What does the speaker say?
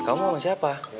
kau mau sama siapa